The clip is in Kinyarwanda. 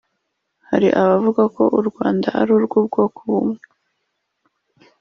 Hari abavugaga ko ari u Rwanda rw’ubwoko bumwe